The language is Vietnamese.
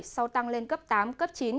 sau tăng lên cấp tám cấp chín